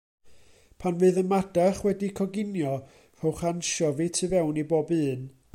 Pan fydd y madarch wedi'u coginio, rhowch ansiofi tu fewn i bob un.